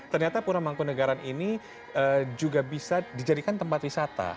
ternyata pura mangkunagaran ini juga bisa dijadikan tempat wisata